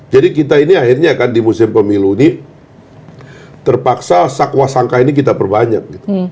jadi kita ini akhirnya akan di musim pemiluni terpaksa sakwa sangka ini kita perbanyak